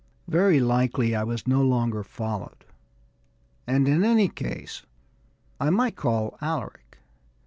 Very likely I was no longer followed; and in any case, I might call Alaric.